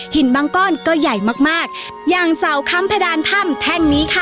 หินบางก้อนก็ใหญ่มากยางเซาขั้มเพลิดราวน์ถ้ำแท่นนี้ค่ะ